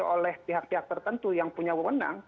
jadi kalau ada satu kelompok kelompok tertentu yang punya wawanan